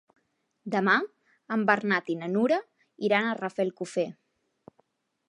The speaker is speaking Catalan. Demà en Bernat i na Nura iran a Rafelcofer.